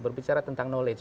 berbicara tentang knowledge